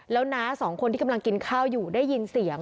แล้วน้าสองคนที่กำลังกินข้าวอยู่ได้ยินเสียง